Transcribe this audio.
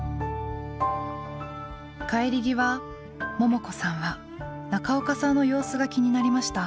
帰り際ももこさんは中岡さんの様子が気になりました。